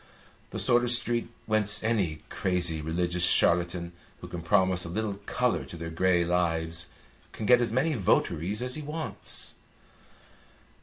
The sort of street whence any crazy religious charlatan who can promise a little colour to their grey lives can get as many votaries as he wants.